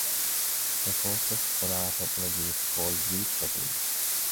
The coarsest polar topology is called weak topology.